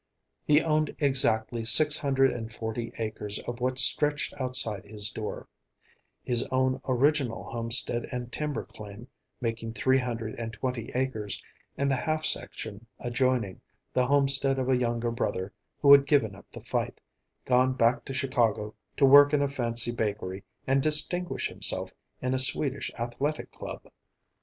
He owned exactly six hundred and forty acres of what stretched outside his door; his own original homestead and timber claim, making three hundred and twenty acres, and the half section adjoining, the homestead of a younger brother who had given up the fight, gone back to Chicago to work in a fancy bakery and distinguish himself in a Swedish athletic club.